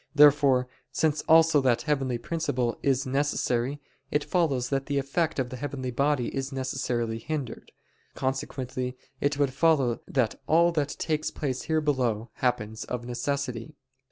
Therefore, since also that heavenly principle is necessary, it follows that the effect of the heavenly body is necessarily hindered. Consequently it would follow that all that takes place here below happens of necessity.